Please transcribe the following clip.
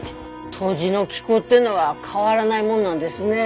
土地の気候っていうのは変わらないもんなんですねえ。